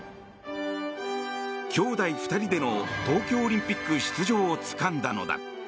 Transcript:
兄妹２人での東京オリンピック出場をつかんだのだ。